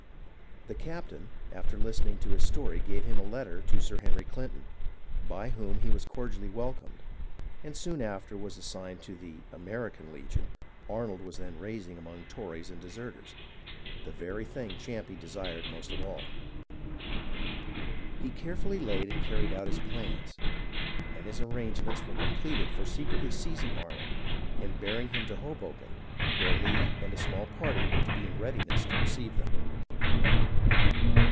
The captain after listening to his story gave him a letter to Sir Henry Clinton, by whom he was cordially welcomed, and soon after he was assigned to the " American " legion Arnold was then rais ing among Tories and deserters — the very thing Champe desired most of all. He carefully laid and carried out his plans, and his ar rangements were completed for secretly seizing Arnold and bearing him to Hoboken, where Lee and a small party were to be in readiness to receive them.